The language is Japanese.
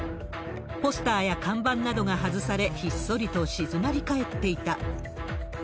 ポスターや看板などが外され、ひっそりと静まり返っていた。